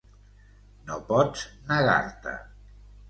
No pots negar-te.